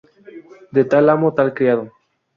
De tal amo, tal criado